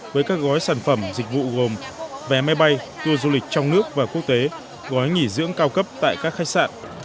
với các gói sản phẩm dịch vụ gồm vé máy bay tour du lịch trong nước và quốc tế gói nghỉ dưỡng cao cấp tại các khách sạn